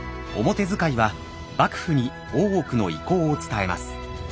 表使は幕府に大奥の意向を伝えます。